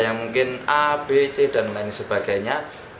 yang mungkin a b c dan lain sebagainya